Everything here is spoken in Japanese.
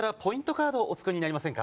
カードお作りになりませんか？